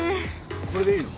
これでいいの？